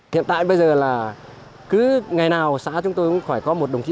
hiện tại bây giờ là cứ ngày nào xã chúng tôi cũng phải có một đồng chí